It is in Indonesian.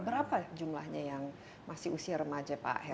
berapa jumlahnya yang masih usia remaja pak heru